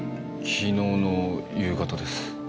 昨日の夕方です。